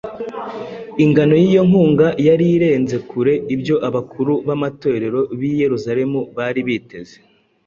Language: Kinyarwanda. Ingano y’iyo nkunga yari irenze kure ibyo abakuru b’amatorero b’i Yerusalemu bari biteze